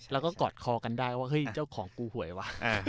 แล้วก็กอดคอกันได้ว่าเฮ้ยเจ้าของกูหวยวะ